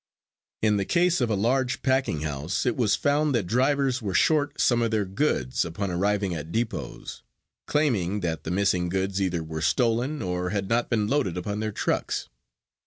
In the case of a large packing house it was found that drivers were short some of their goods upon arriving at depots, claiming that the missing goods either were stolen or had not been loaded upon their trucks.